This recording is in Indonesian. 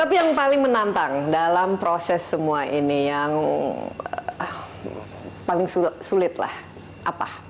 tapi yang paling menantang dalam proses semua ini yang paling sulit lah apa